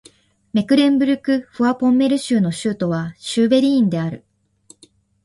メクレンブルク＝フォアポンメルン州の州都はシュヴェリーンである